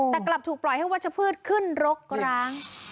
แต่กลับถูกปล่อยให้วัชพืชขึ้นรกร้าง